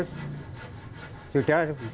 sudah sudah menerima uang tujuh tiga puluh